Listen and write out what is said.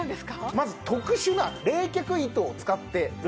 まず特殊な冷却糸を使ってるんですね。